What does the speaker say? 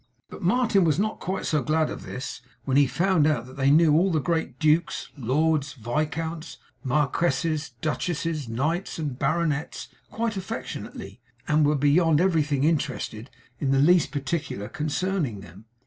But Martin was not quite so glad of this, when he found that they knew all the great dukes, lords, viscounts, marquesses, duchesses, knights, and baronets, quite affectionately, and were beyond everything interested in the least particular concerning them.